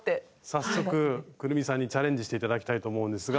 早速クルミさんにチャレンジして頂きたいと思うんですが。